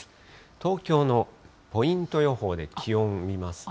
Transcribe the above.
東京のポイント予報で気温見ますと。